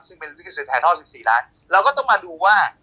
ซึ่งเป็นลิขสิทธิ์ภายนอก๑๔ล้านเราก็ต้องมาดูว่า